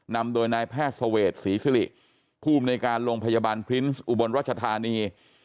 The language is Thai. นำโดยนายแพทย์เซาเวทศรีสิริภูมิในการลงพยาบาลพรินทธ์อุบลรัชธานี